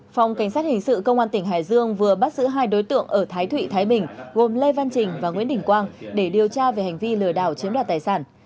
phòng cảnh sát hình sự công an tỉnh hải dương vừa bắt giữ hai đối tượng ở thái thụy thái bình gồm lê văn trình và nguyễn đình quang để điều tra về hành vi lừa đảo chiếm đoạt tài sản